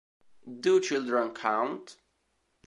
Do Children Count?